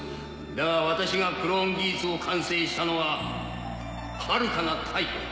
だが私がクローン技術を完成したのははるかな太古だ。